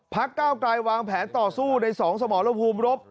พักเก้ากายวางแผนต่อสู้ในสองสมรพูมรบ